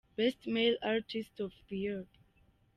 Best Male artist of the year.